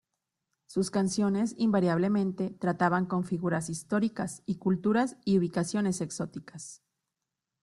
Sus canciones invariablemente trataban con figuras históricas y culturas y ubicaciones exóticas.